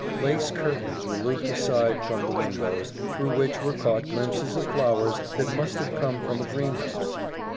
Lace curtains were looped aside from the windows, through which were caught glimpses of flowers that must have come from a greenhouse.